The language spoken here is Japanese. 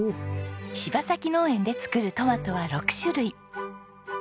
柴崎農園で作るトマトは６種類。